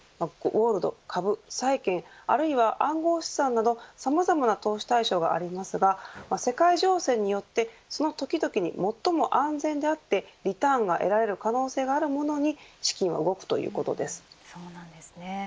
ゴールド株再建あるいは暗号資産などさまざまな投資対象がありますが世界情勢にあってその時々に最も安全であってリターンが得られる可能性があるものに資金は動くということです。